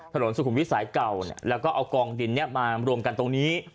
ถนนสุขุมวิสัยเก่าเนี่ยแล้วก็เอากองดินเนี่ยมารวมกันตรงนี้